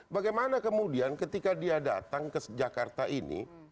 bagaimana kemudian ketika dia datang ke jakarta ini